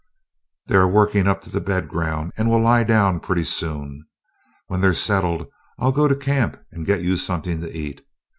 "They are working up to the bed ground and will lie down pretty soon. When they're settled, I'll go to camp and get you something to eat."